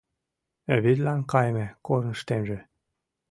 Вӱдлан кайыме корныштемже